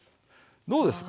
どうですか？